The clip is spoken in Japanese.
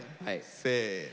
せの。